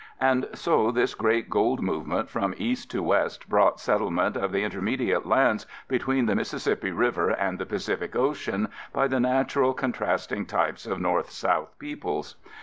And so this great gold movement from East to West brought settlement of the intermediate lands between the Mississippi River and the Pacific Ocean by the natural contrasting types of North South peoples.